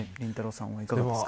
さんはいかがですか。